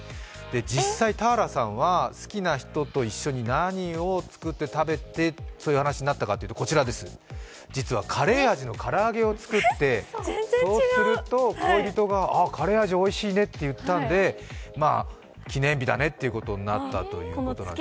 実際、俵さんは好きな人と一緒に何を作って食べてそういう話になったかという、実はカレー味の唐揚げを作って、そうすると、恋人が、カレー味おいしいねと言ったので、記念日だねということになったということなんです。